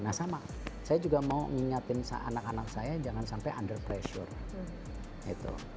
nah sama saya juga mau ngingatin anak anak saya jangan sampai under pressure